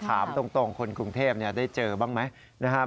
ถามตรงคนกรุงเทพได้เจอบ้างไหมนะครับ